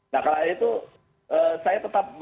nah karena itu saya tetap